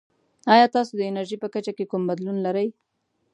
ایا تاسو د انرژي په کچه کې کوم بدلون لرئ؟